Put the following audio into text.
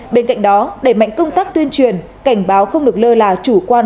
bên cạnh đó đẩy mạnh công tác tuyên truyền cảnh báo không được lơ là chủ quan